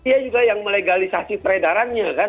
dia juga yang melegalisasi peredarannya kan